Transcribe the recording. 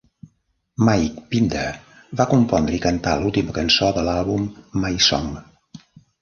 Mike Pinder va compondre i cantar l'última cançó de l'àlbum 'My Song'.